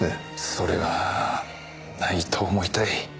それはないと思いたい。